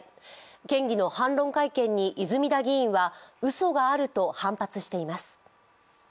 県議の反論会見に泉田議員はうそがあると反発しています。